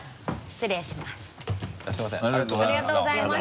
失礼します。